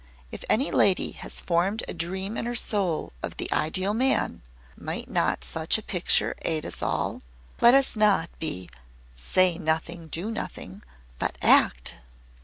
If any lady has formed a dream in her soul of the Ideal Man, might not such a picture aid us all? Let us not be 'say nothing do nothing,' but act!"